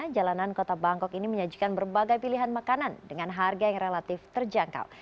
jalanan kota bangkok ini menyajikan berbagai pilihan makanan dengan harga yang relatif terjangkau